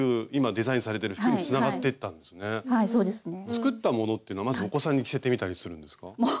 作ったものってのはまずお子さんに着せてみたりするんですか？